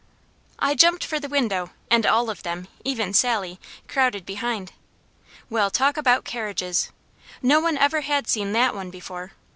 I jumped for the window, and all of them, even Sally, crowded behind. Well, talk about carriages! No one ever had seen THAT one before.